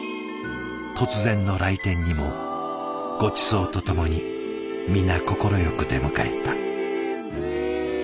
突然の来店にもごちそうとともに皆快く出迎えた。